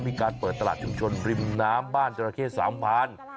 มีการเปิดตลาดชุมชนริมน้ำบ้านจราเข้สามพาน